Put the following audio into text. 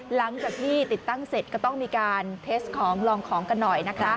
หลังจากที่ติดตั้งเสร็จก็ต้องมีการเทสของลองของกันหน่อยนะคะ